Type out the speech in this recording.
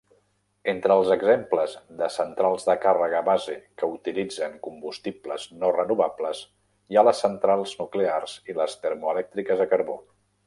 Entre els exemples de centrals de càrrega base que utilitzen combustibles no renovables hi ha les centrals nuclears i les termoelèctriques a carbó.